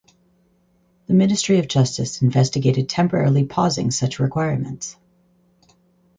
The Ministry of Justice investigated temporarily pausing such requirements.